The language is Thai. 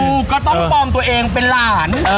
ก็ต้องปลอมตัวเองเป็นหลาน